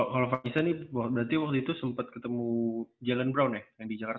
kalo faisal nih berarti waktu itu sempet ketemu jalen brown ya yang di jakarta ya